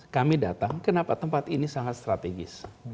kami datang kenapa tempat ini sangat strategis